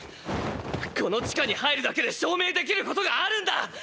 この地下に入るだけで証明できることがあるんだ！